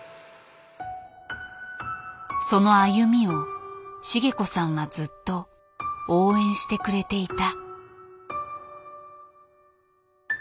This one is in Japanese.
その歩みを茂子さんはずっと応援してくれていた。